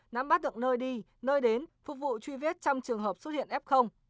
nắm bắt được nơi đi nơi đến phục vụ truy vết trong trường hợp xuất hiện f